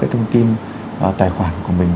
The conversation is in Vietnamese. thông tin tài khoản của mình